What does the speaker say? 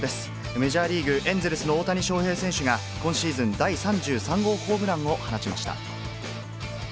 メジャーリーグ・エンゼルスの大谷翔平選手が、今シーズン第３３号ホームランを放ちました。